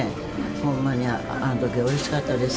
ほんまに、あのときはうれしかったです。